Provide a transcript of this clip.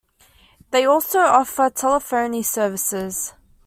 They also offer Telephony services.